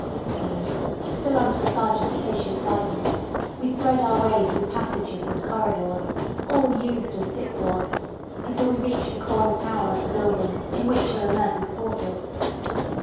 So, still under the Sergeant's patient guidance, we thread our way through passages and corridors, all used as sick wards, until we reach the corner tower of the building, in which are the nurses' quarters.